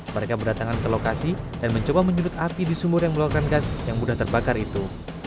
mereka berdatangan ke lokasi dan mencoba menyulut api di sumur yang meluangkan gas yang mudah terbakar itu